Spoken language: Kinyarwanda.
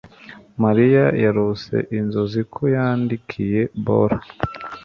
Mariya yarose inzozi ko yatsindiye bola.